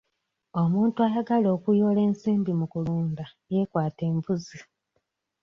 Omuntu ayagala okuyoola ensimbi mu kulunda yeekwate embuzi.